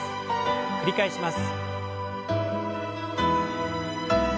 繰り返します。